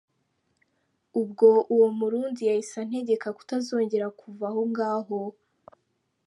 Ubwo uwo murundi yahise antegeka kutazongera kuva aho ngaho.